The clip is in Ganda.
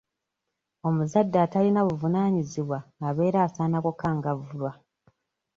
Omuzadde atalina buvunaanyizibwa abeera asaana kukangavvulwa.